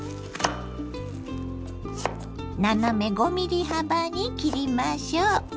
斜め５ｍｍ幅に切りましょう。